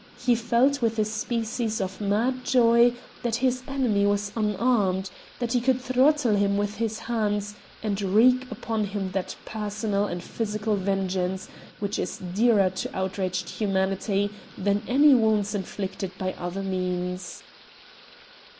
He felt with a species of mad joy that his enemy was unarmed that he could throttle him with his hands, and wreak upon him that personal and physical vengeance which is dearer to outraged humanity than any wounds inflicted by other means.